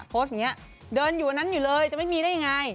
โพสต์อย่างนี้เดินอยู่อันนั้นอยู่เลยจะไม่มีได้ยังไง